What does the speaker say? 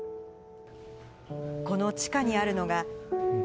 この地下にあるのが。